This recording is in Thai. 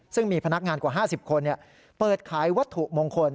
ซึ่งมีพนักงานกว่า๕๐คนเปิดขายวัตถุมงคล